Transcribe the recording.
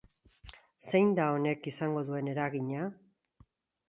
Zein da honek izango duen eragina?